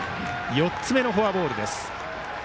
４つ目のフォアボール。